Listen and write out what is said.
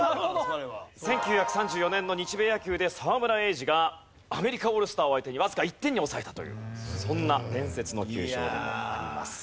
１９３４年の日米野球で沢村栄治がアメリカオールスターを相手にわずか１点に抑えたというそんな伝説の球場でもあります。